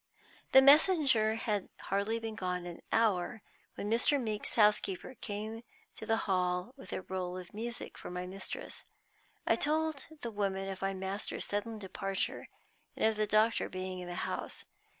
The messenger had hardly been gone an hour when Mr. Meeke's housekeeper came to the Hall with a roll of music for my mistress. I told the woman of my master's sudden departure, and of the doctor being in the house.